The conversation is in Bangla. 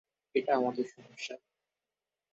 এটা আমার সমস্যা।